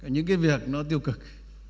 những cái việc nó tiêu cực